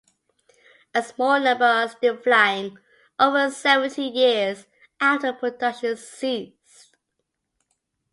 A small number are still flying, over seventy years after production ceased.